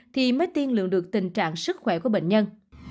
thì mới tiên lượng được tình trạng sức khỏe của bệnh nhân